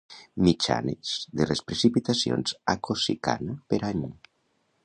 Mitjanes de les precipitacions a Cosicana per any.